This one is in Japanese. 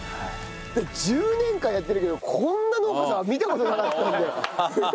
１０年間やってるけどこんな農家さんは見た事なかったんで。